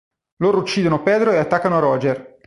Loro uccidono Pedro e attaccano Roger.